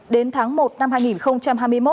đến tháng một năm hai nghìn hai mươi một